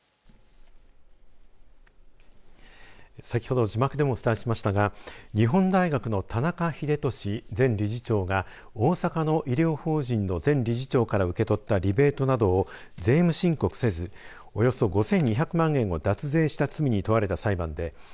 先ほど字幕でもお伝えしましたが日本大学の田中英壽前理事長が大阪の医療法人の前理事長から受け取ったリベートなどを税務申告せずおよそ５２００万円を脱税した罪に問われた裁判で